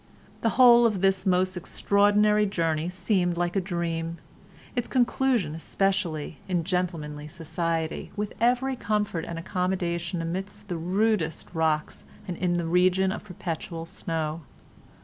"The whole of this most extraordinary journey seemed like a dream, its conclusion especially, in gentlemanly society, with every comfort and accommodation amidst the rudest rocks and in the region of perpetual snow.